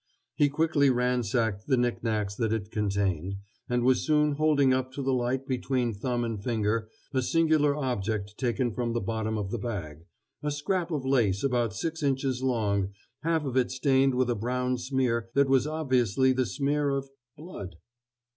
He quickly ransacked the knicknacks that it contained; and was soon holding up to the light between thumb and finger a singular object taken from the bottom of the bag a scrap of lace about six inches long, half of it stained with a brown smear that was obviously the smear of blood.